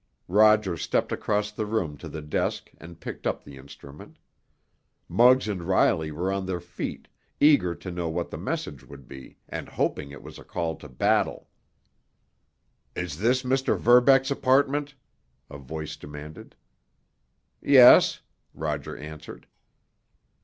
Roger stepped across the room to the desk and picked up the instrument; Muggs and Riley were on their feet, eager to know what the message would be, and hoping it was a call to battle. "Is this Mr. Verbeck's apartment?" a voice demanded. "Yes," Roger answered.